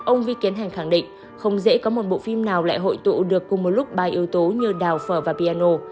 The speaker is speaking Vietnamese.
ông vi kiến hành khẳng định không dễ có một bộ phim nào lại hội tụ được cùng một lúc ba yếu tố như đào phở và piano